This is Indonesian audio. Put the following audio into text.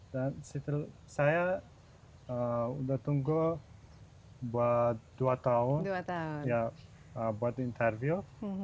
dan setelah itu saya sudah menunggu dua tahun untuk menerima interviu